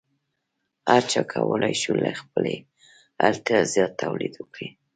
هر چا کولی شو له خپلې اړتیا زیات تولید وکړي.